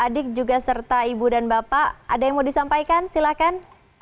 adik juga serta ibu dan bapak ada yang mau disampaikan silahkan